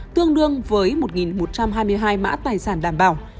tương đương với một một trăm hai mươi hai mã tài sản đảm bảo